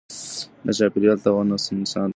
نه چاپیریال ته او نه انسان ته.